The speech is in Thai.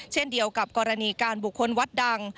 เช่นเดียวกับกรณีการบุคคลวัดดัง